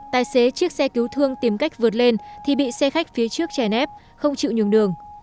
tài xế chiếc xe cứu thương tìm cách vượt lên thì bị xe khách phía trước chè nép không chịu nhường đường